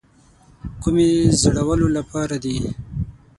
کومې زړولو لپاره دي.